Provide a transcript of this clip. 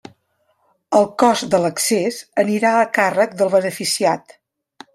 El cost de l'accés anirà a càrrec del beneficiat.